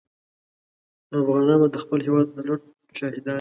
نو افغانان به د خپل هېواد د لوټ شاهدان وي.